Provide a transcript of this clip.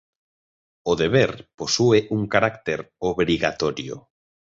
O deber posúe un carácter obrigatorio.